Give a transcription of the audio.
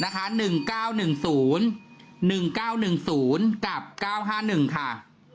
๑๙๑๐กับ๙๕๑ค่ะ